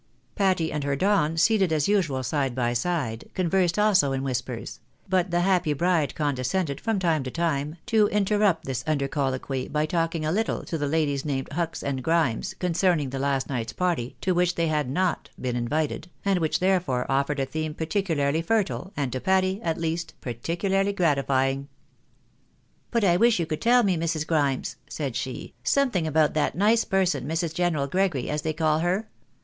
Patty and her Don, seated as usual side by side, conversed also 112 THE BAKXABYS IX AMERICA. in whispers ; but the happy bride condescended, from time to time, to interrupt this under colloquy by talking a little to the ladies named Hucks, and Grimes, concerning the last night's party, to which they had not been invited, and which, therefore, offered a theme particularly fertile, and to Patty, at least, particularly grati fying. " But I wish you could tell me, INIrs. Grimes," said she, " some thing about that nice person, Mrs. General Gregory, as they call her.